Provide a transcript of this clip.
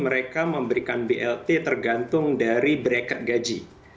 mereka memberikan blt tergantung dari bracket gaji